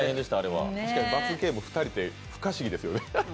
確かに罰ゲーム２人って不可思議ですよね。